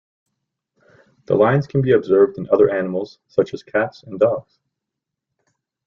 The lines can be observed in other animals such as cats and dogs.